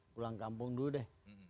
pulang kampung dulu deh